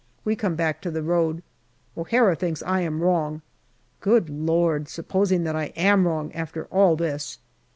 We come back to the road. O'Hara thinks I am wrong. Good Lord ! supposing that I am wrong after all this